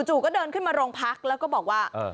ก็เดินขึ้นมาโรงพักแล้วก็บอกว่า